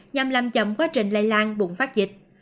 nhằm làm chậm quá trình lây lan bùng phát dịch